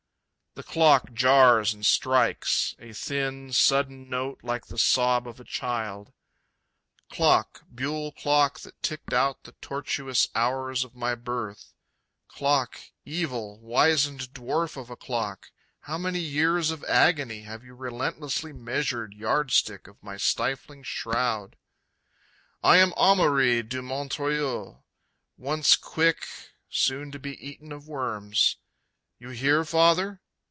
The clock jars and strikes, a thin, sudden note like the sob of a child. Clock, buhl clock that ticked out the tortuous hours of my birth, Clock, evil, wizened dwarf of a clock, how many years of agony have you relentlessly measured, Yardstick of my stifling shroud? I am Aumaury de Montreuil; once quick, soon to be eaten of worms. You hear, Father?